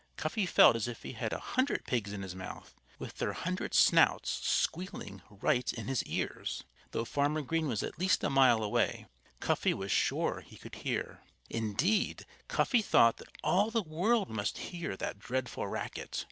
Cuffy felt as if he had a hundred pigs in his mouth, with their hundred snouts squealing right in his ears. Though Farmer Green was at least a mile away, Cuffy was sure he could hear. Indeed, Cuffy thought that all the world must hear that dreadful racket.